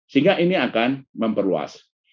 sehingga ini akan memperluas